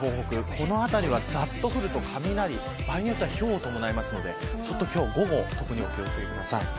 この辺りはざっと降って雷場合によってはひょうを伴いますので午後、特にお気を付けください。